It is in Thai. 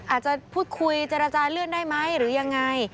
อาจจะพูดคุยเจรจาเลื่อนได้ไหมหรือยังไง